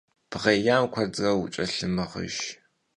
Bğêyam kuedre vuç'elhımığıjj.